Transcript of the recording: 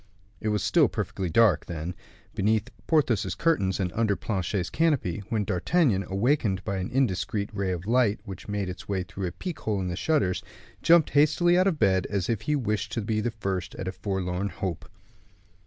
It was still perfectly dark, then, beneath Porthos's curtains and under Planchet's canopy, when D'Artagnan, awakened by an indiscreet ray of light which made its way through a peek hole in the shutters, jumped hastily out of bed, as if he wished to be the first at a forlorn hope.